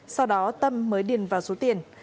sau đó tâm mới điền vào số tiền